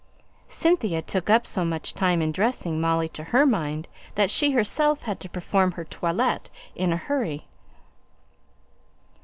Cynthia took up so much time in dressing Molly to her mind, that she herself had to perform her toilette in a hurry.